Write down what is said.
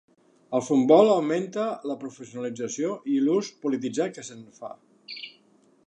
El futbol augmenta la professionalització i l'ús polititzat que se'n fa.